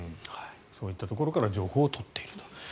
そういったところから情報を取っていると。